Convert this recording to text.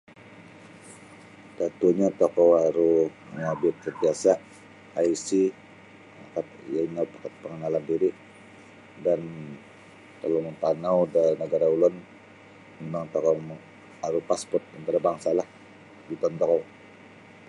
Sapatutnya tokou aru mongobit da kuasa IC kad ionyo kad pengenalan diri dan kalau mampanau da nagara ulun mimang tokuu aru passport antarabangsa lah biton tokou.